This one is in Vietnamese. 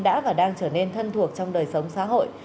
đã và đang trở nên thân thuộc trong đời sống xã hội